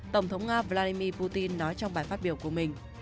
tổng thống nga vladimir putin nói trong bài phát biểu của mình